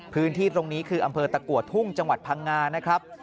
พื้นที่ตรงนี้คืออำเภอตะกัวทุ่งจังหวัดพังงานะครับ